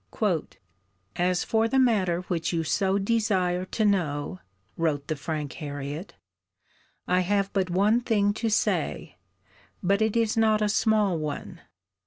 'As for the matter which you so desire to know,' wrote the frank Harriet; 'I have but one thing to say: but it is not a small one.